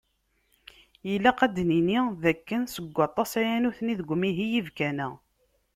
Ilaq ad d-nini d akken seg waṭas-aya, nutni deg umihi yibkan-a.